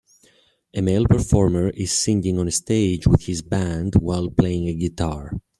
A male performer is singing on a stage with his band while playing a guitar.